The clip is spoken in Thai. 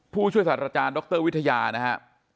ผู้ช่วยศาสตราจารย์ดรวิทยานะครับ